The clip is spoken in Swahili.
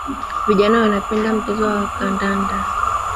Vijana wanapenda mchezo wa kandanda